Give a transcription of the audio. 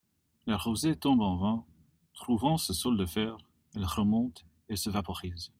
La rosée tombe en vain ; trouvant ce sol de fer, elle remonte et se vaporise.